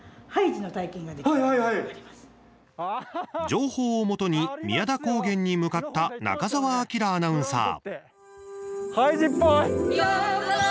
情報をもとに宮田高原に向かった中澤輝アナウンサー。